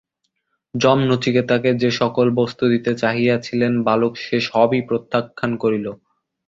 যম নচিকেতাকে যে-সকল বস্তু দিতে চাহিয়াছিলেন, বালক সে-সবই প্রত্যাখ্যান করিল।